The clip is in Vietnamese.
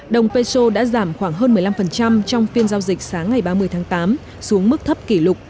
đồng peso đã giảm khoảng hơn một mươi năm trong phiên giao dịch sáng ngày ba mươi tháng tám xuống mức thấp kỷ lục